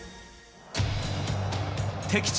敵地